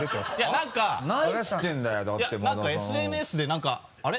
何かＳＮＳで何かあれ？